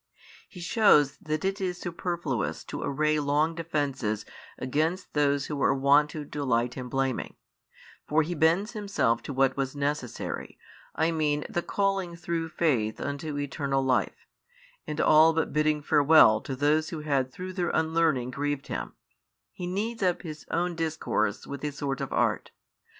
He shews that it is superfluous to array long defences against those who are wont to delight in blaming; for He bends Himself to what was necessary, I mean the calling through faith unto eternal life, and all but bidding farewell to those who had through their unlearning grieved Him, He kneads up His own discourse with a sort of art.